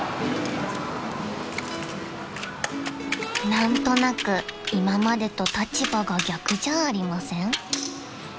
［何となく今までと立場が逆じゃありません？］